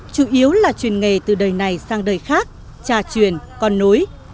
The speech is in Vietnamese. chủ yếu là chuyển nghề từ đời này sang đời khác trà truyền con nối